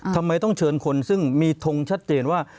ทำไมต้องเชิญคนซึ่งมีทงชัดเจนว่า